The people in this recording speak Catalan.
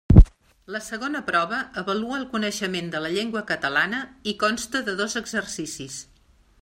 La segona prova avalua el coneixement de la llengua catalana i consta de dos exercicis.